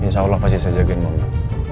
insyaallah pasti saya jagain mama